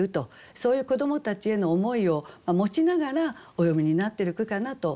そういう子どもたちへの思いを持ちながらお詠みになってる句かなと思いました。